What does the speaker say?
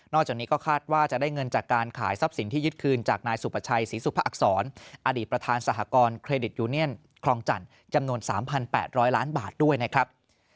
จากนี้ก็คาดว่าจะได้เงินจากการขายทรัพย์สินที่ยึดคืนจากนายสุประชัยศรีสุภอักษรอดีตประธานสหกรณ์เครดิตยูเนียนคลองจันทร์จำนวน๓๘๐๐ล้านบาทด้วยนะครับ